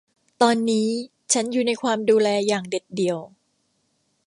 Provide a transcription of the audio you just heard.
ตอนนี้ฉันอยู่ในความดูแลอย่างเด็ดเดี่ยว